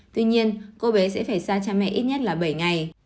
tuy nhiên cô bé sẽ phải xa cha mẹ ít nhất là bảy ngày